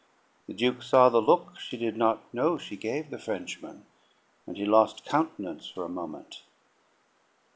The Duke saw the look she did not know she gave the Frenchman, and he lost countenance for a moment.